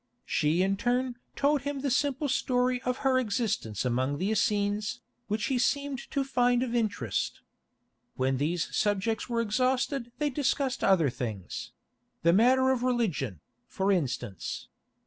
She in turn told him the simple story of her existence among the Essenes, which he seemed to find of interest. When these subjects were exhausted they discussed other things—the matter of religion, for instance.